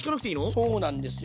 そうなんですよ。